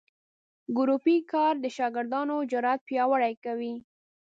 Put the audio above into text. ګروپي کار د شاګردانو جرات پیاوړي کوي.